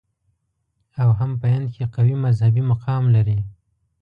او هم په هند کې قوي مذهبي مقام لري.